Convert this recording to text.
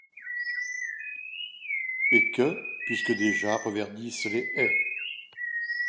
Et que, puisque déjà reverdissent les haies